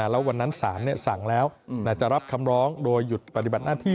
แล้ววันนั้นศาลสั่งแล้วจะรับคำร้องโดยหยุดปฏิบัติหน้าที่